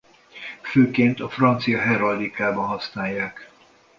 Főként a francia heraldikában használják.